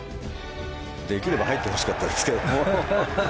できれば入ってほしかったですけど。